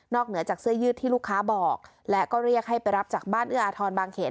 เหนือจากเสื้อยืดที่ลูกค้าบอกและก็เรียกให้ไปรับจากบ้านเอื้ออาทรบางเขต